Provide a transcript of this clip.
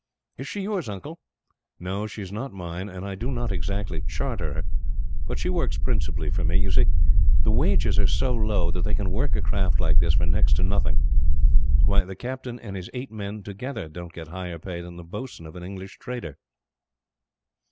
"Is she yours, uncle?" "No, she is not mine, and I do not exactly charter her; but she works principally for me. You see, the wages are so low that they can work a craft like this for next to nothing. Why, the captain and his eight men, together, don't get higher pay than the boatswain of an English trader.